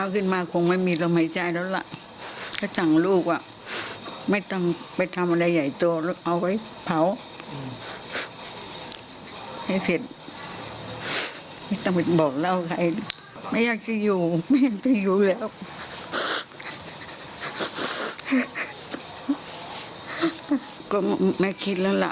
ก็ไม่คิดแล้วล่ะ